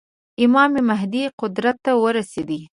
امام مهدي قدرت ته ورسېدی.